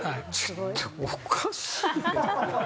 ちょっとおかしいよ。